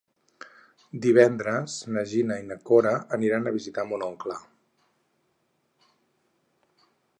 Divendres na Gina i na Cora aniran a visitar mon oncle.